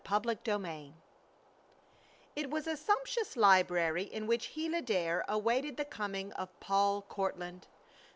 CHAPTER III It was a sumptuous library in which Gila Dare awaited the coming of Paul Courtland.